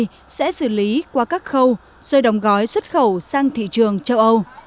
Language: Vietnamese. hợp tác xã hồng giang sẽ xử lý qua các khâu rồi đồng gói xuất khẩu sang thị trường châu âu